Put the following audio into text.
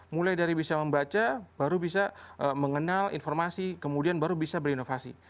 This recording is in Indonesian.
mulai dari bisa membaca baru bisa mengenal informasi kemudian baru bisa berinovasi